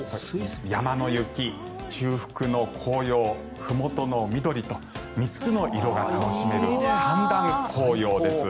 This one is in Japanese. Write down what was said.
山の雪、中腹の紅葉ふもとの緑と３つの色が楽しめる三段紅葉です。